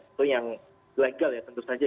itu yang legal ya tentu saja